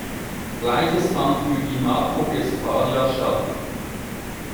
Gleiches fand für die Marko-Guestphalia statt.